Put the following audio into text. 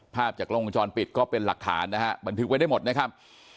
ภาพจากกล้องวงจรปิดก็เป็นหลักฐานนะฮะบันทึกไว้ได้หมดนะครับ